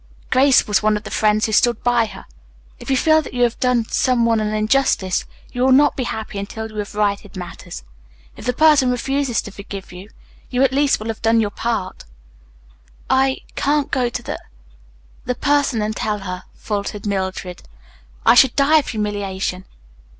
Grace was one of the friends who stood by her. If you feel that you have done some one an injustice, you will not be happy until you have righted matters. If the person refuses to forgive you, you at least will have done your part." "I can't go to the the person and tell her," faltered Mildred. "I should die of humiliation."